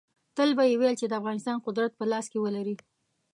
تل به یې ویل چې د افغانستان قدرت په لاس کې ولري.